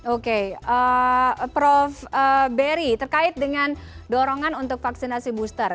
oke prof berry terkait dengan dorongan untuk vaksinasi booster